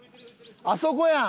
あそこやん。